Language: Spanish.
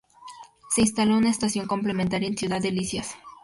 Se instaló una estación complementaria en Ciudad Delicias.